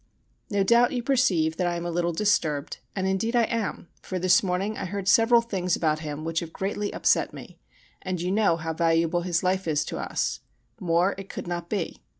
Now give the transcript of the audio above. No doubt you perceive that I am a little disturbed, and indeed I am; for this morning I heard several things about him which have greatly upset me, and you know how valuable his life is to us more it could not be.